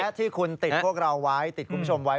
และที่คุณติดพวกเราไว้ติดคุณผู้ชมไว้